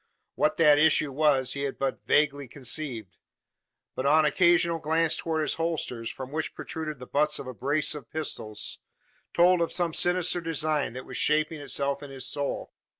What that issue was he had but vaguely conceived; but on occasional glance towards his holsters from which protruded the butts of a brace of pistols told of some sinister design that was shaping itself in his soul.